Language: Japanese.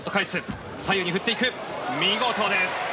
見事です。